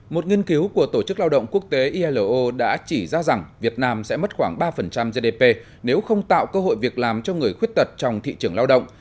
một nghiên cứu của tổ chức lao động quốc tế ilo đã chỉ ra rằng việt nam sẽ mất khoảng ba gdp nếu không tạo cơ hội việc làm cho người khuyết tật trong thị trường lao động